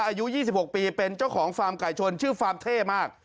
อายุ๒๖ปีเป็นเจ้าของฟาร์มไก่ชนชื่อฟาร์มเท่มาก